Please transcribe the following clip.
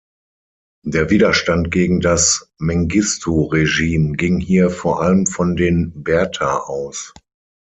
Der Widerstand gegen das Mengistu-Regime ging hier vor allem von den Berta aus.